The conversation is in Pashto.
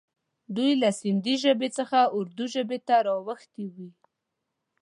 دوی له سیندي ژبې څخه اردي ژبې ته را اوښتي وي.